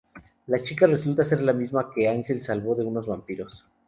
La chica resulta ser la misma que Ángel salvo de unos vampiros.